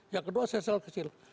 yang kedua sel sel kecil